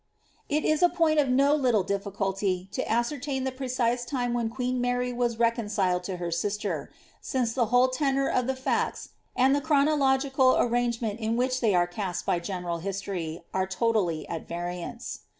It is a point of no little difficulty to aacertaio tiw predae liaia whm qoeen Mary was reconciled to her sisteTf since the whole toDour of the (acts, and the chronological arrangemeiil in which thej are cast by general histoiy, are totally at Tariance.